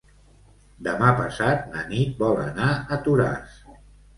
Demà passat na Nit vol anar a Toràs.